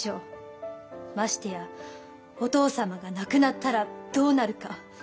ましてやお父様が亡くなったらどうなるか。